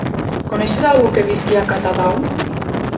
Coneixes algú que visqui a Catadau?